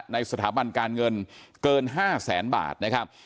ในสถาบันการเงินเกิน๕แสนบาทนะครับ